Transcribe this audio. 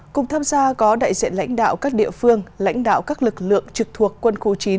cùng tham gia có đại diện lãnh đạo các địa phương lãnh đạo các lực lượng trực thuộc quân khu chín